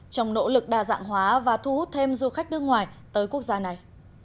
trong nỗ lực đa dạng hóa và thu hút thêm du khách nước ngoài tới quốc gia này